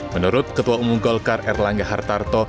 menurut ketua umum golkar erlangga hartarto